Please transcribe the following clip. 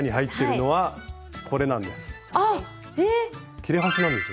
切れ端なんですよね。